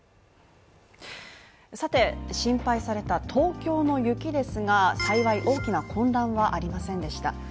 さて心配された東京の雪ですが幸い大きな混乱はありませんでした。